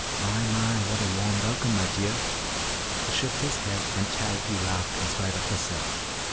"My, my, what a warm welcome, my dear." He shook his head and Charity laughed in spite of herself.